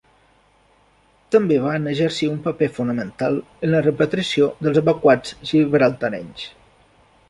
També van exercir un paper fonamental en la repatriació dels evacuats gibraltarenys.